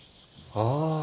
ああ。